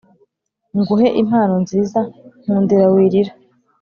nguhe impano nziza, nkundira wirira